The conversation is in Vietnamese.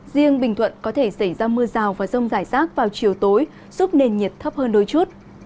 riêng bình thuận có thể xảy ra mưa rào và rông rải rác vào chiều tối giúp nền nhiệt thấp hơn đôi chút